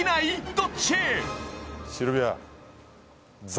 どっち？